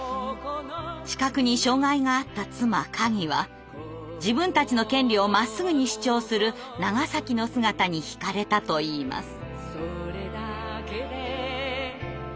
視覚に障害があった妻かぎは自分たちの権利をまっすぐに主張する長の姿に惹かれたといいます。